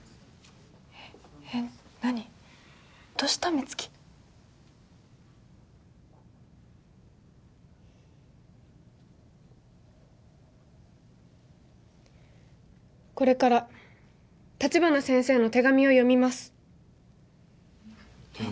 美月これから立花先生の手紙を読みますえっ？